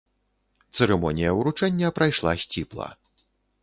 Цырымонія ўручэння прайшла сціпла.